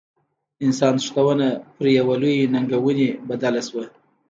انسان تښتونه پر یوې ننګونې بدله شوه.